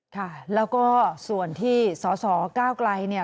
ค่ะแล้วก็ส่วนที่สสก้าวไกลเนี่ย